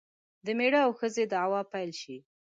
د میړه او ښځې دعوې پیل شي.